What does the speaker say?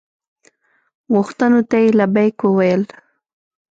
غوښتنو ته یې لبیک وویل.